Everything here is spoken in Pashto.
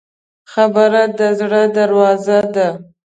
خبره د زړه دروازه ده.